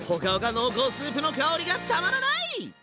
濃厚スープの香りがたまらない！